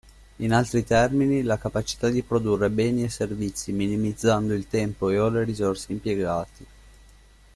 In altri termini, la capacità di produrre beni e servizi minimizzando il tempo e/o le risorse impiegati.